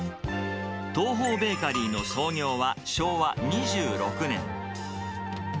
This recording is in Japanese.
トーホーベーカリーの創業は昭和２６年。